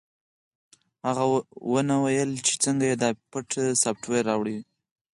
هغه ونه ویل چې څنګه یې دا پټ سافټویر راوړی دی